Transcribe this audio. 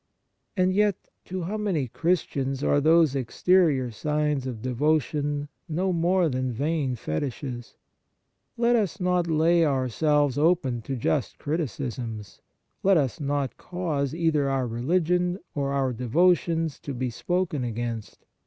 And yet, to how many Christians are these exterior signs of devotion no more than vain fetishes ! Let us not lay ourselves open to just criticisms, let us not cause either our religion or our devotions to be spoken against.